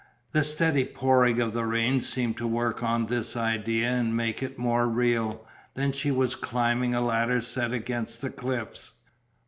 The steady pouring of the rain seemed to work on this idea and make it more real. Then she was climbing a ladder set against the cliffs.